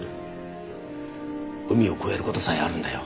海を越える事さえあるんだよ。